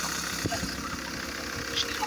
ته ولې زما په ساده خبرو باندې بې ځایه شک کوې؟